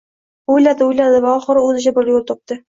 Oʻyladi, oʻyladi va oxiri oʻzicha bir yoʻl topdi